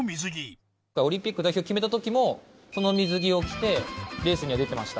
東京オリンピック代表を決めたときもその水着を着て、レースには出ていました。